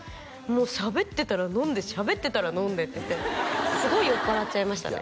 もうしゃべってたら飲んでしゃべってたら飲んでってすごい酔っぱらっちゃいましたね